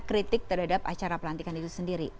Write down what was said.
kritik terhadap acara pelantikan itu sendiri